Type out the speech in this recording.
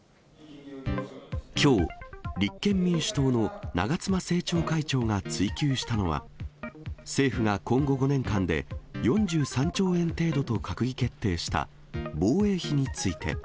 きょう、立憲民主党の長妻政調会長が追及したのは、政府が今後５年間で４３兆円程度と閣議決定した防衛費について。